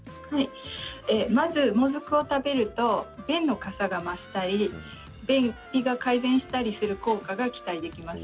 まず、もずくを食べると便のかさが増したり便秘が改善する効果が期待できます。